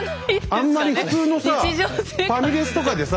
あんまり普通のさファミレスとかでさ